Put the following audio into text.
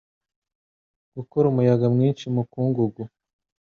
gukora umuyaga mwinshi mu mukungugu